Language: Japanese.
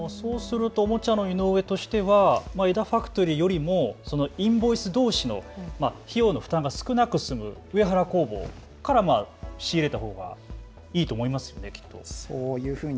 おもちゃの井上としては江田ファクトリーよりもインボイスどうしの費用の負担が少なく済む上原工房から仕入れたほうがいいと思いますよね。